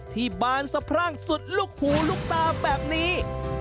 บานสะพรั่งสุดลูกหูลูกตาแบบนี้